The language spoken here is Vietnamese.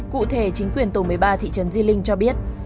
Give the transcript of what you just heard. cụ thể chính quyền tổ một mươi ba thị trấn di linh cho biết